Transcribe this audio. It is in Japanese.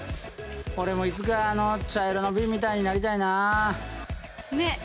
俺もいつかあの茶色のびんみたいになりたいな！